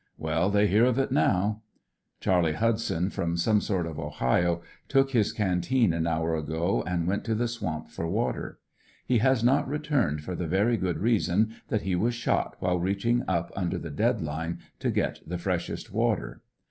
Well, they hear of it now. Charlie Hudson, from some part of Ohio, took his canteen an hour ago and went to the swamp for water. He has not returned for the very good reason that he was shot while reaching up under the dead Ime to get the freshest water.